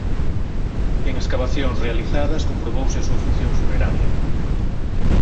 En escavacións realizadas comprobouse a súa función funeraria.